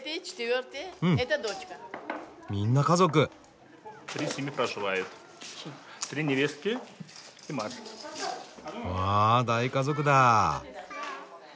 わあ大家族だ。